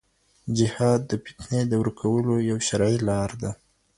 جهاد د فتنې د ورکولو یوه شرعي لار ده.